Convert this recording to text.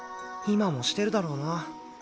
今もしてるだろうな。